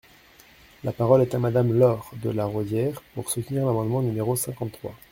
La parole est à Madame Laure de La Raudière, pour soutenir l’amendement numéro cinquante-trois.